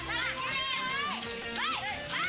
anggur gini buah